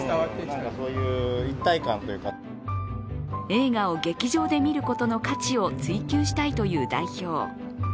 映画を劇場で見ることの価値を追求したいという代表。